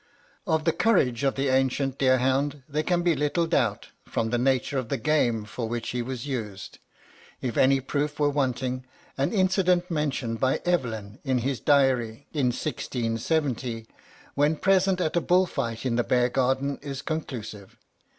Of the courage of the ancient deer hound there can be little doubt, from the nature of the game for which he was used. If any proof were wanting, an incident mentioned by Evelyn in his Diary, in 1670, when present at a bull fight in the bear garden, is conclusive.